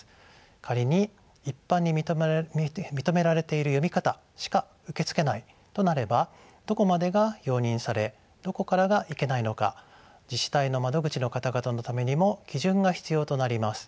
仮に一般に認められている読み方しか受け付けないとなればどこまでが容認されどこからがいけないのか自治体の窓口の方々のためにも基準が必要となります。